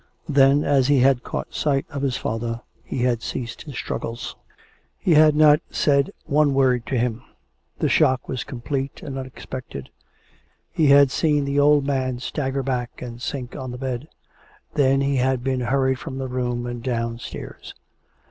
Then, as he had caught sight of his father, he had ceased his struggles. He hrd not said one word to him. The shock was com plete and unexpected. He had seen the old man stagger back and sink on the bed. Then he had been hurried from the room and downstairs.